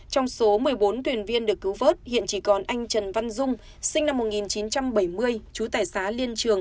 trong số một mươi bốn thuyền viên được cứu vớt hiện chỉ còn anh trần văn dung sinh năm một nghìn chín trăm bảy mươi chú tải xá liên trường